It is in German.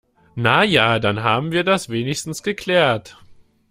Na ja, dann haben wir das wenigstens geklärt.